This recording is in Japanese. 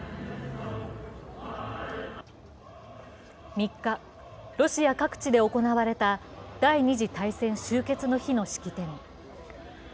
３日、ロシア各地で行われた第二次大戦終結の日の式典。